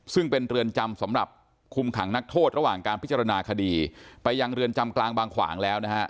ซึ่งเป็นเรือนจำสำหรับคุมขังนักโทษระหว่างการพิจารณาคดีไปยังเรือนจำกลางบางขวางแล้วนะฮะ